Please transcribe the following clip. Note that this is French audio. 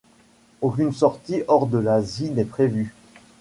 Aucune sortie hors de l'Asie n'est prévue.